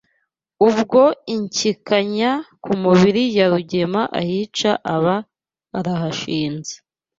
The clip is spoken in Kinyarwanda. Ubwo Inshyikanya ku mubiri ya rugema ahica aba arahashinze